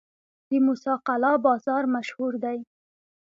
د موسی قلعه بازار مشهور دی